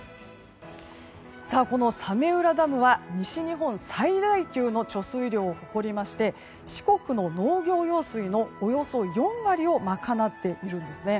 この早明浦ダムは西日本最大級の貯水量を誇りまして四国の農業用水のおよそ４割をまかなっているんですね。